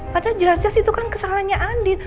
padahal jelas jelas itu kan kesalahannya andi